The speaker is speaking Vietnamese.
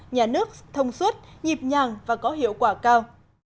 nhà nước thông suốt nhịp nhàng và có hiệu quả cao